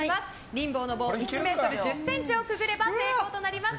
リンボーの棒１ｍ１０ｃｍをくぐれば成功となります。